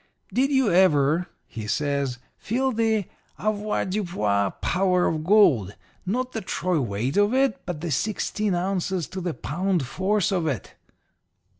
Did you ever,' he says, 'feel the avoirdupois power of gold not the troy weight of it, but the sixteen ounces to the pound force of it?'